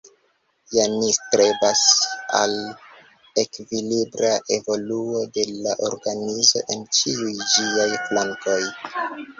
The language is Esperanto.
Ja ni strebas al ekvilibra evoluo de la organizo en ĉiuj ĝiaj flankoj.